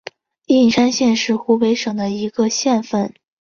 应山县是湖北省的一个县份。